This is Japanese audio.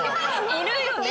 いるよね？